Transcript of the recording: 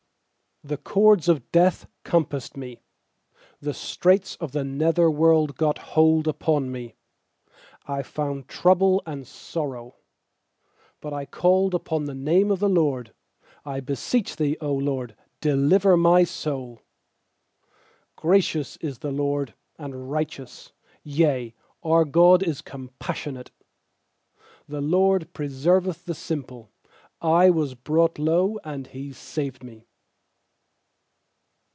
3The cords of death compassed me, And the straits of the nether worlc got hold upon me; I found trouble and sorrow. 4But I called upon the name of th* LORD: 'I beseech Thee, 0 LORD, delivei my soul.7 6Gracious is the LORD, and righteous Yea, our God is compassionate 6The LORD preserveth the simple; I was brought low, and He saved me.